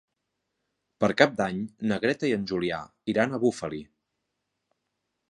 Per Cap d'Any na Greta i en Julià iran a Bufali.